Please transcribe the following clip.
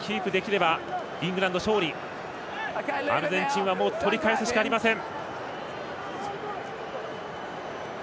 アルゼンチンは取り返すしかありません。